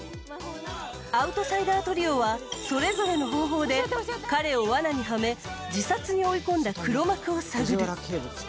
アウトサイダートリオはそれぞれの方法で彼を罠にはめ自殺に追い込んだ黒幕を探る。